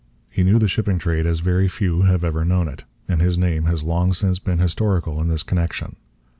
He knew the shipping trade as very few have ever known it; and his name has long since become historical in this connection.